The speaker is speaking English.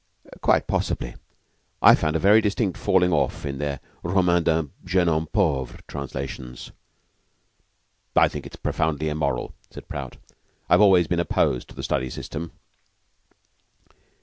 "Quite possibly. I found a very distinct falling off in their 'Roman d'un Jeune Homme Pauvre' translations." "I think it is profoundly immoral," said Prout. "I've always been opposed to the study system."